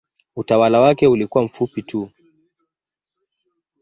Utawala wake ulikuwa mfupi tu.